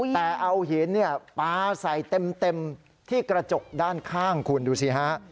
แต่เอาหินปลาใส่เต็มที่กระจกด้านข้างคุณดูสิฮะ